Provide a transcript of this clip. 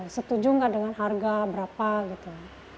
setuju nggak dengan harga berapa gitu